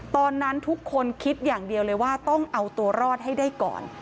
ตอนนั้นทุกคนคิดอย่างเดียวเลยว่าต้องเอาตัวรอดให้ได้ก่อน